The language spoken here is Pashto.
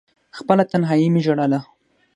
خپله تنهايي مې ژړله…